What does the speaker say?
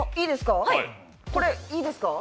これ、いいですか？